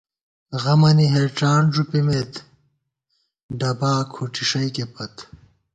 غمَنی ہېڄان ݫُپِمېت، ڈبا کھُٹی ݭَئیکےپت